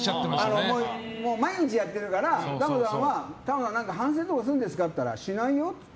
毎日やってるからタモさんは反省とかするんですか？って聞いたらしないよって。